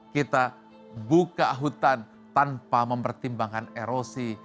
kita buka hutan tanpa mempertimbangkan erosi